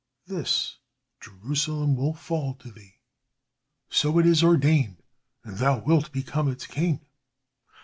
"This. Jerusalem will fall to thee. So it is ordained, and thou wilt become its king."